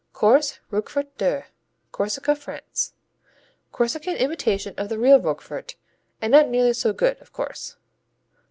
Corse, Roquefort de Corsica, France Corsican imitation of the real Roquefort, and not nearly so good, of course.